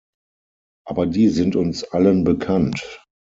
Aber die sind uns allen bekannt.